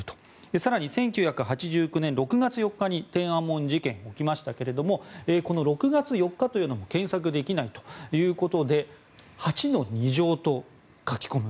更に１９８９年６月４日に天安門事件が起きましたがこの６月４日というのも検索できないということで「８の２乗」と書き込む。